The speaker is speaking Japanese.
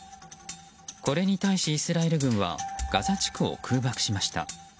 これに対しイスラエル軍はガザ地区を空爆しました。